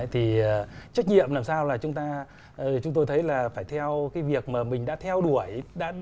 thì trách nhiệm làm sao là chúng ta chúng tôi thấy là phải theo việc mình đã theo đuổi